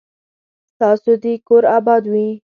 ستاسو دي کور اباد وي